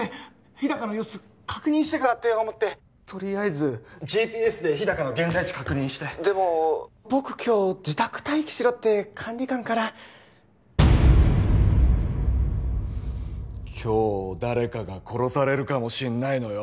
日高の様子確認してからって思ってとりあえずＧＰＳで日高の現在地確認してでも僕今日自宅待機しろって管理官から今日誰かが殺されるかもしんないのよ